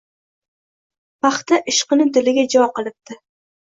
Paxta ishqini diliga jo qilibdi.